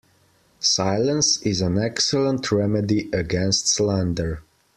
Silence is an excellent remedy against slander.